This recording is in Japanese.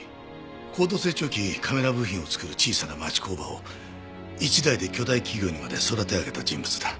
高度成長期カメラ部品を作る小さな町工場を一代で巨大企業にまで育て上げた人物だ。